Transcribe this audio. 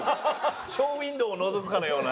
ショーウィンドーをのぞくかのような。